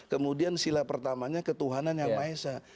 kemudian sila pertamanya ketuhanan yang maesah